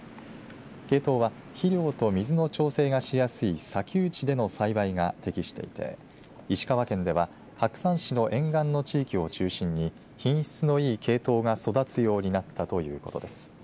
ケイトウは肥料と水の調整がしやすい砂丘地での栽培が適していて石川県では白山市の沿岸の地域を中心に品質のいいケイトウが育つようになったということです。